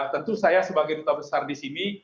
tentu saya sebagai duta besar di sini